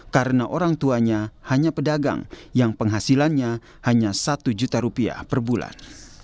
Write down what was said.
karena orang tuanya hanya pedagang yang penghasilannya hanya satu juta rupiah per bulan